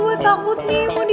gue takut nih mau disuntik